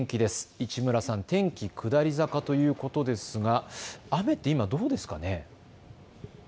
市村さん、天気下り坂ということですが雨は今、どうでしょうか。